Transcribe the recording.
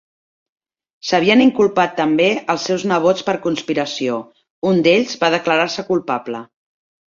S'havien inculpat també als seus nebots per conspiració, un d'ells va declarar-se culpable.